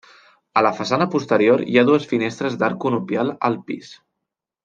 A la façana posterior hi ha dues finestres d'arc conopial al pis.